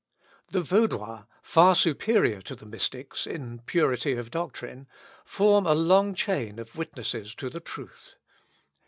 The Vaudois, far superior to the Mystics in purity of doctrine, form a long chain of witnesses to the truth.